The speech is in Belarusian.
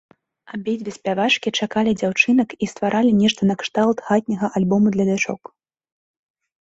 Абедзве спявачкі чакалі дзяўчынак і стваралі нешта накшталт хатняга альбома для дачок.